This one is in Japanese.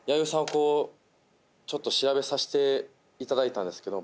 こうちょっと調べさせていただいたんですけど